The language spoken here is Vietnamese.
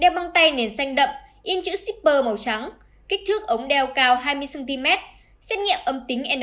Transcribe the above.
đeo bông tay nền xanh đậm in chữ shipper màu trắng kích thước ống đeo cao hai mươi cm xét nghiệm âm tính năm